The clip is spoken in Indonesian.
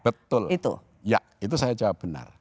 betul itu ya itu saya jawab benar